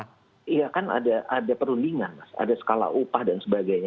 iya kan ada perundingan ada skala upah dan sebagainya